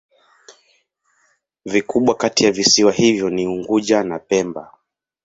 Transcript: Vikubwa kati ya visiwa hivyo ni Unguja na Pemba.